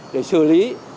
để xử lý